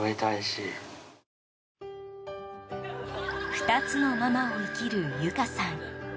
２つのママを生きる由香さん。